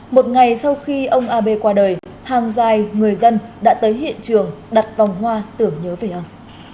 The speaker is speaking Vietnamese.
một ngày sau khi ông abe qua đời hàng dài người dân đã tới hiện trường đặt vòng hoa tưởng nhớ về ông